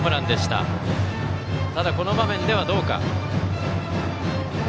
ただ、この場面ではどうか。